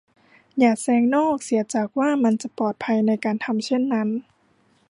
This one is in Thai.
อย่าแซงนอกเสียจากว่ามันจะปลอดภัยในการทำเช่นนั้น